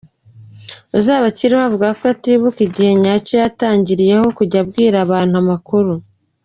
Uzabakiriho avuga ko atibuka igihe nyacyo yatangiriyeho kujya abwira abantu amakuru.